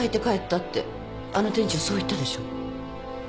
あの店長そう言ったでしょう？